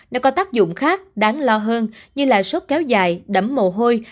đã có tác dụng khác đáng lo hơn như là sốt kéo dài đấm mồ hôi